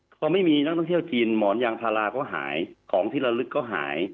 พอไม่มีนักท่องเที่ยวจีนหมอนยางพาราก็หายของที่ละลึกก็หาย